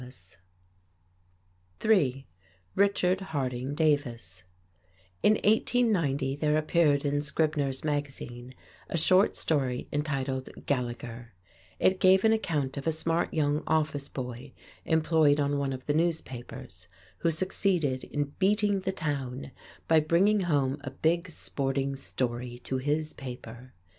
[Illustration: PHOTOGRAPH BY PACH BROS. RICHARD HARDING DAVIS] Richard Harding Davis THREE In 1890 there appeared in Scribner's Magazine a short story entitled "Gallegher." It gave an account of a smart young office boy employed on one of the newspapers, who succeeded in "beating the town" by bringing home a big, sporting story to his paper.